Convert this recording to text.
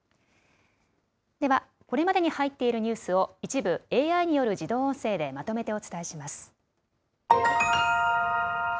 では、これまでに入っているニュースを一部ＡＩによる自動音声でまとめてお伝えします。